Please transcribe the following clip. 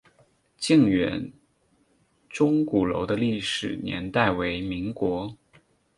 靖远钟鼓楼的历史年代为民国。